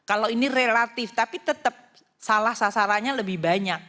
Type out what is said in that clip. kalau ini relatif tapi tetap salah sasarannya lebih banyak